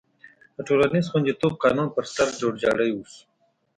د ټولنیز خوندیتوب قانون پر سر جوړجاړی وشو.